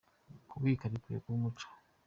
Kubika bikwiye kuba umuco.